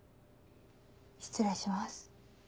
失礼します。